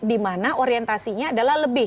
dimana orientasinya adalah lebih